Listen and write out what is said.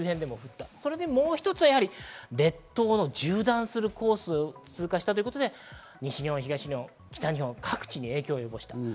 もう一つは列島の縦断するコースを通過したということで西日本、東日本、北日本、各地に影響を及ぼしました。